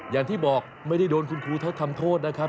อย่างที่บอกไม่ได้โดนคุณครูเขาทำโทษนะครับ